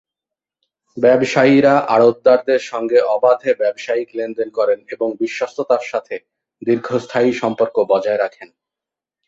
ব্যবসায়ীরা আড়তদারদের সঙ্গে অবাধে ব্যবসায়িক লেনদেন করেন এবং বিশ্বস্ততার সাথে দীর্ঘস্থায়ী সম্পর্ক বজায় রাখেন।